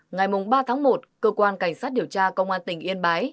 ngày ba tháng một cơ quan cảnh sát điều tra công an tỉnh yên bái